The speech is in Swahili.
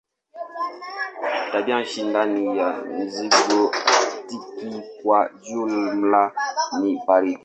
Tabianchi ndani ya mzingo aktiki kwa jumla ni baridi.